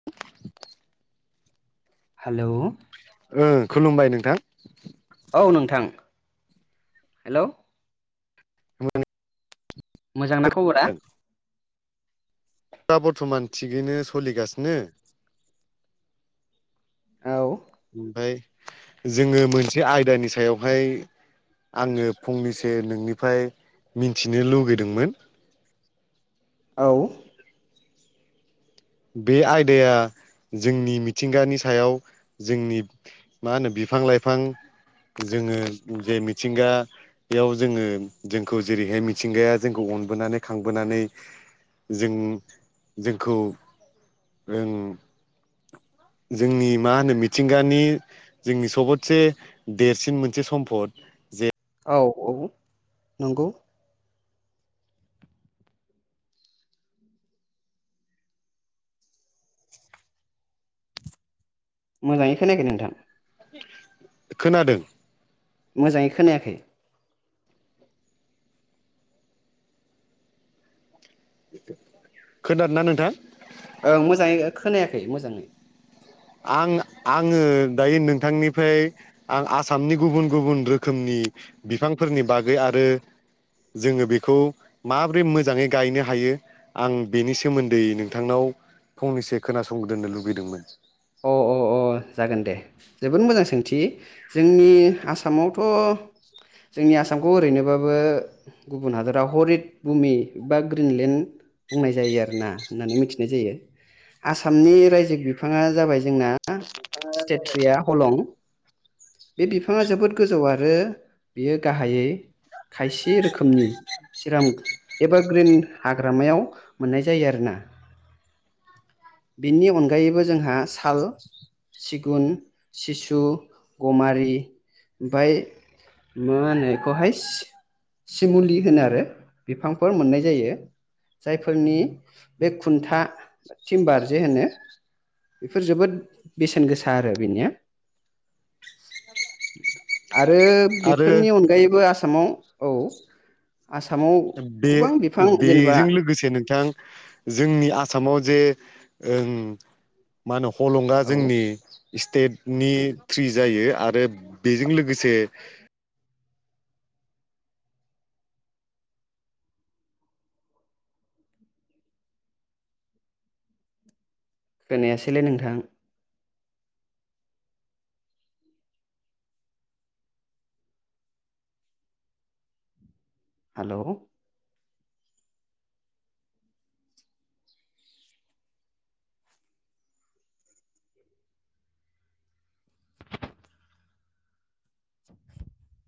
[inaudible] Hello ओं खुलुमबाय नोंथां। औ नोंथां। हेलौ [unintelligible] मोजां ना खबरा? दा बर्थमान थिगैनो सलिगासिनो। औ ओमफ्राय जोङो मोनसे आयदानि सायावहाय आङो फंनैसो नोंनिफ्राय मिन्थिनो लुगैदोंमोन। औ बे आयदाया जोंनि मिथिंगानि सायाव जोंनि मा होनो बिफां-लाइफां जोङो जे मिथिंगा बेयाव जोङो जोंखौ जेरैहाय मिथिंगाया जोंखौ अनबोनानै खांबोनानै जों जोंखौ ओं जोंनि मा होनो मिथिंगानि जोंनि सबतसे देरसिन मोनसे सम्फद। औ औ नंगौ। मोजाङै खोनायाखै नोंथां खोनादों? मोजाङै खोनायाखै। खोनादों ना नोंथां? ओं मोजाङै खोनायाखै मोजाङै। आं-आङो दायो नोंथांनिफ्राय आं आसामनि गुबुन गुबुन रोखोमनि बिफांफोरनि बागै आरो जोङो बेखौ माबोरै मोजाङै गायनो हायो। आं बेनि सोमोन्दै नोंथांनाव फंनैसो खोनासंदोननो लुगैदोंमोन। अह अह अह जागोन दे जोबोद मोजां सोंथि जोंनि आसामावथ' जोंनि आसामखौ ओरैनोबाबो गुबुन हादराव हरित बुमि बा ग्रिनलेण्ड बुंनाय जायो आरोोना होननानै मिथिनाय जायो आसामनि रायजो बिफाङा जाबाय जोंना स्टेट ट्रिया हलं। बे बिफाङा जोबोद गोजौ आरो बियो गाहायै खायसे रोखोमनि [unintelligible] एबा ग्रिन हाग्रामायाव मोननाय जायो आरो ना। बिनि अनगायैबो जोंहा साल सिगुन सिसु गमारि ओमफ्राय मा होनो बेखौहाय सिमुलि होनो आरो बिफांफोर मोननाय जायो जायफोरनि बे खुन्था थिमबार जे होनो बेफोर जोबोद बेसेन गोसा आरो बेनिया आरो आरो बेफोरनि अनगायैबो आसामाव औ आसामाव बे गोबां बिफां जेनेबा बेजों लोगोसे नोंथां जोंनि आसामाव जेओं मा होनो हलंगा औ जोंनि स्टेटनि फ्रि जायो आरो बेजों लोगोसे खोनायासैलै नोंथां हेल' [inaudible]